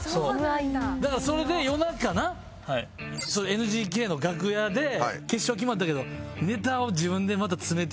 ＮＧＫの楽屋で決勝決まったけど。